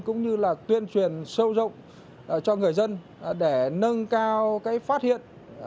cũng như là tuyên truyền sâu rộng cho người dân để nâng cao phát hiện